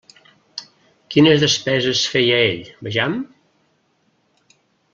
Quines despeses feia ell, vejam?